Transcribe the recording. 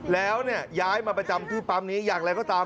แล้วย้ายมาประจำที่ปั๊มนี้อย่างไรก็ตาม